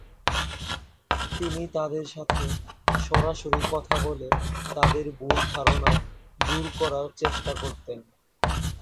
তিনি তাদের সাথে সরাসরি কথা বলে তাদের ভুল ধারণা দূর করার চেষ্টা করতেন।